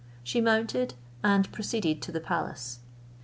She mounted, and proceeded to the palace.